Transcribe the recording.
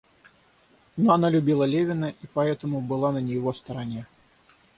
Но она любила Левина и потому была на его стороне.